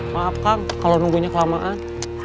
maaf kang kalau nunggunya kelamaan